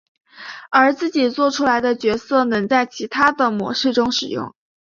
而自己作出来的角色能在其他的模式中使用。